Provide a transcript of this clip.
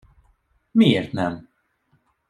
Miért nem?